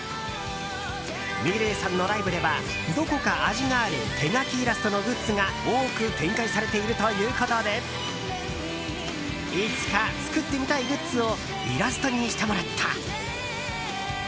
ｍｉｌｅｔさんのライブではどこか味がある手描きイラストのグッズが多く展開されているということでいつか作ってみたいグッズをイラストにしてもらった。